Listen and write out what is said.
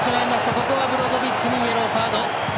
ここはブロゾビッチにイエローカード。